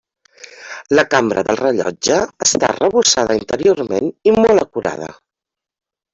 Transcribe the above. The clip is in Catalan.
La cambra del rellotge està arrebossada interiorment i molt acurada.